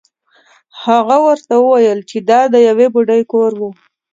هغه ورته وویل چې دا د یوې بوډۍ کور و.